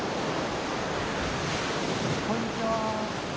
こんにちは。